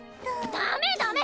ダメダメ！